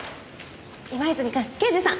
今泉くん刑事さん。